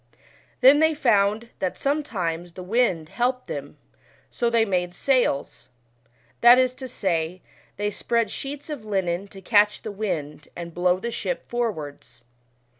Then they found that sometimes the wind helped them, so ohey made sails that is to say, they spread sheets of linen to catch the wind, and blow the ship forwards.